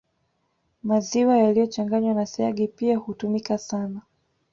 Maziwa yaliyochanganywa na siagi pia hutumika sana